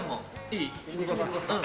いい？